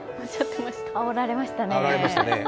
あおられましたね。